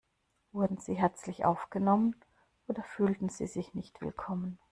Wurden Sie herzlich aufgenommen oder fühlten Sie sich nicht willkommen?